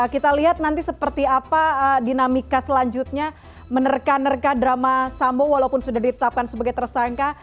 kita lihat nanti seperti apa dinamika selanjutnya menerka nerka drama sambo walaupun sudah ditetapkan sebagai tersangka